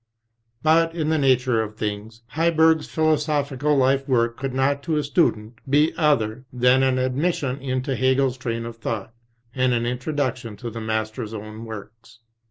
But in the nature of things, Heiberg's philosophical life work could not to a student be other than an admission into Hegel's train of thought, and an introduction to the master's own works.